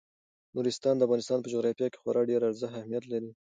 نورستان د افغانستان په جغرافیه کې خورا ډیر ستر اهمیت لري.